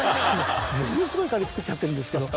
ものすごい借り作っちゃってるんですけど。